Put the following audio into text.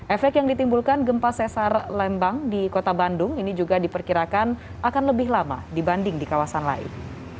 efek yang ditimbulkan gempa sesar lembang di kota bandung ini juga diperkirakan akan lebih lama dibanding di kawasan lain